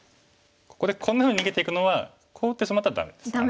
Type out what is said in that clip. ここでこんなふうに逃げていくのはこう打ってしまったらダメです。